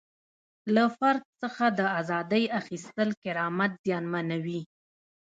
له فرد څخه د ازادۍ اخیستل کرامت زیانمنوي.